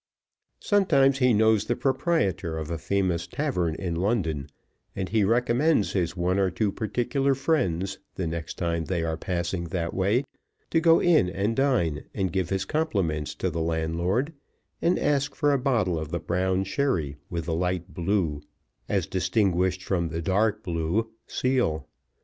Sometimes he knows the proprietor of a famous tavern in London, and he recommends his one or two particular friends, the next time they are passing that way, to go in and dine, and give his compliments to the landlord, and ask for a bottle of the brown sherry, with the light blue as distinguished from the dark blue seal.